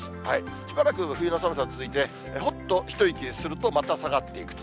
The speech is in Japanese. しばらく冬の寒さが続いて、ほっと一息すると、また下がっていくと。